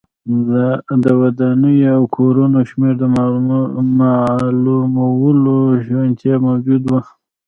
د ودانیو او کورونو شمېر د معلومولو شونتیا موجوده وه.